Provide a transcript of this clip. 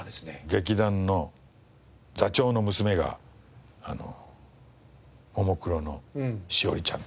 劇団の座長の娘がももクロの詩織ちゃん。